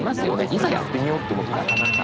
いざやってみようと思うとなかなか。